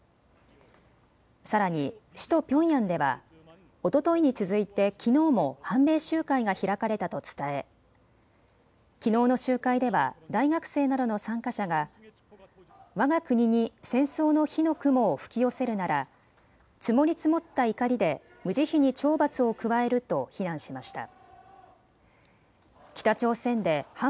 さらに首都ピョンヤンではおとといに続いてきのうも反米集会が開かれたと伝えきのうの集会では大学生などの参加者がわが国に戦争の火の雲を吹き寄せるなら積もり積もった怒りで無慈悲に懲罰を加えると非難しました。